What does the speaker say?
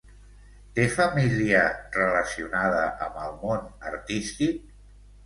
Té família relacionada amb el món artístic?